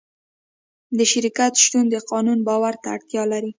د شرکت شتون د قانون باور ته اړتیا لري.